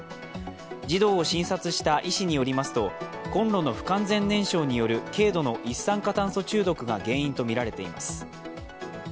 児童を診察した医師によりますとこんろの不完全燃焼による軽度の一酸化炭素中毒が原因とみられています。